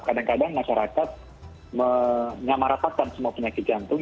kadang kadang masyarakat menyamarapatkan semua penyakit jantung